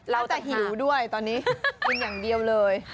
น่าจะหิวด้วยตอนนี้กินอย่างเดียวเลย